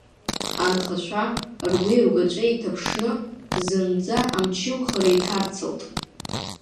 Анхацәа ргәи ргәаҵәеи иҭаԥшны, зынӡа амчымхара иҭарцалт.